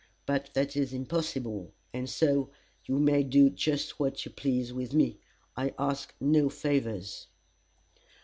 But that is impossible, and so you may do just what you please with me. I ask no favors."